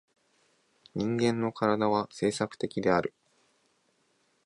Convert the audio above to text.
人間の身体は制作的である。